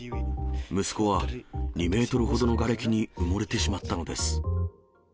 息子は２メートルほどのがれきに埋もれてしまったのです。